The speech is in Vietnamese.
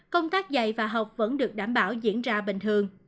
công tác dạy và học vẫn được đảm bảo diễn ra bình thường